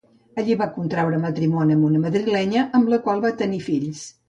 Allí va contreure matrimoni amb una madrilenya, amb la qual va tenir fills.